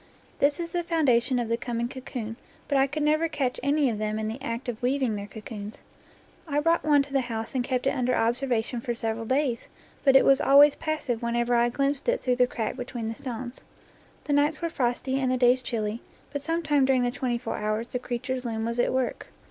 This is the foundation of the coming cocoon, but I could never catch any of them in the act of weaving their cocoons. I brought one to the house and kept it under observation for several days, but it was always passive whenever I glimpsed it through the crack between the stones. The nights were frosty and the days chilly, but some time dur ing the twenty four hours the creature's loom was at work.